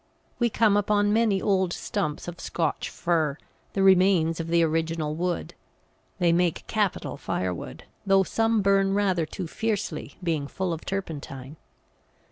We come upon many old stumps of Scotch fir, the remains of the original wood; they make capital firewood, though some burn rather too fiercely, being full of turpentine.